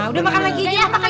udah makan lagi